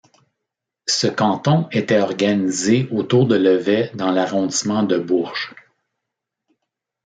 Ce canton était organisé autour de Levet dans l'arrondissement de Bourges.